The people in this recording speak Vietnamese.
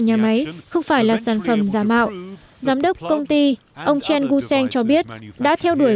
nhà máy không phải là sản phẩm giả mạo giám đốc công ty ông cheen gusein cho biết đã theo đuổi